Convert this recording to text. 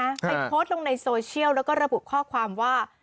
ไปโพสต์ลงในโซเชียลแล้วก็ระบุข้อความว่า